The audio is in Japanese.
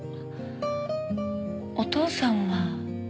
お父さんは。